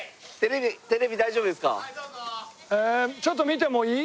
ちょっと見てもいい？